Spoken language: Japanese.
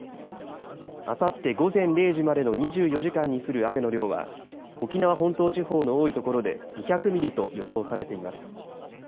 あさって午前０時までの２４時間に降る雨の量は沖縄本島地方の多いところで２００ミリと予想されています。